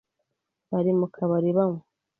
Bari mukabari banywa.